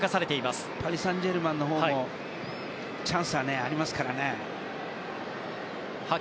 ただパリ・サンジェルマンのほうもチャンスはありますから。